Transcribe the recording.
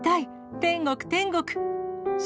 天国、天国。笑